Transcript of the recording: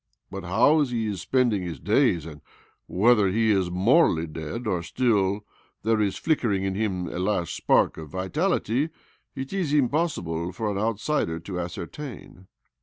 But how he is spending / his days, and whether he is morally dead : or still there is flickering in him a last spark of vitality, it is impossible for an outsider to ascertain."